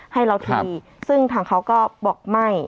ให้เราทีซึ่งทางเขาก็บอกไม่